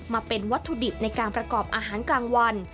มาเป็นวัตถุดิบในการประกอบอาหารกลางวัน